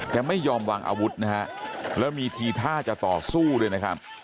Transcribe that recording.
ไม่ยอมวางอาวุธนะฮะแล้วมีทีท่าจะต่อสู้ด้วยนะครับ